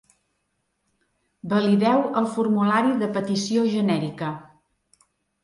Valideu el formulari de Petició genèrica.